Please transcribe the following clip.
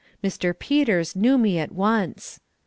Mr. Peters knew me at once.